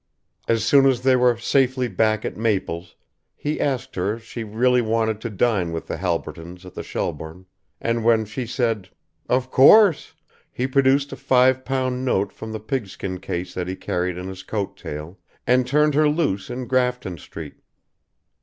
As soon as they were safely back at Maple's he asked her if she really wanted to dine with the Halbertons at the Shelbourne, and when she said, "Of course!" he produced a five pound note from the pigskin case that he carried in his coat tail, and turned her loose in Grafton Street.